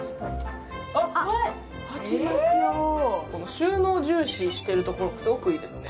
あっ、開けますと収納重視してるところがすごくいいですね。